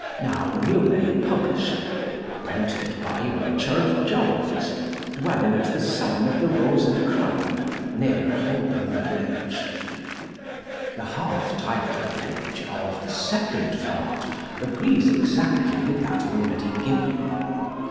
Now newly published. Printed by Richard Iones, dwelling at the signe of the Rose and Crowne neere Holborne Bridge. The half title page of THE SECOND PART agrees exactly with that already given.